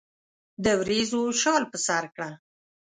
دوریځو شال پر سرکړه